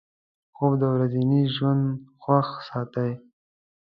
خوب د ورځني ژوند خوښ ساتي